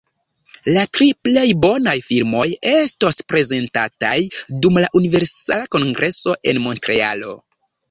La tri plej bonaj filmoj estos prezentataj dum la Universala Kongreso en Montrealo.